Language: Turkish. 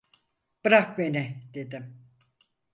Bırak beni dedim!